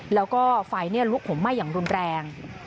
แล้วก็ไฟลุกห่มไหม้อย่างรุนแรง